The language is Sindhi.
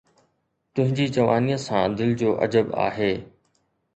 تنهنجي جوانيءَ سان دل جو عجب آهي